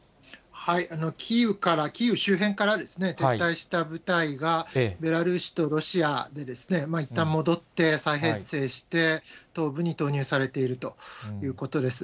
キーウから、キーウ周辺から撤退した部隊がベラルーシとロシアにいったん戻って再編成して、東部に投入されているということです。